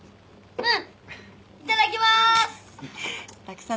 うん。